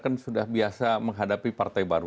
kan sudah biasa menghadapi partai baru